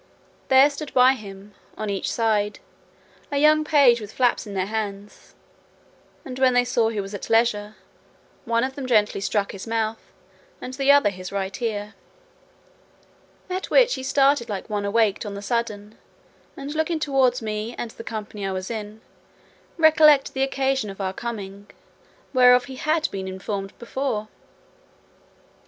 There stood by him, on each side, a young page with flaps in their hands, and when they saw he was at leisure, one of them gently struck his mouth, and the other his right ear; at which he startled like one awaked on the sudden, and looking towards me and the company I was in, recollected the occasion of our coming, whereof he had been informed before.